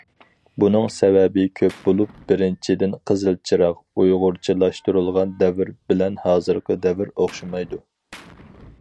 بۇنىڭ سەۋەبى كۆپ بولۇپ، بىرىنچىدىن،‹‹ قىزىل چىراغ›› ئۇيغۇرچىلاشتۇرۇلغان دەۋر بىلەن ھازىرقى دەۋر ئوخشىمايدۇ.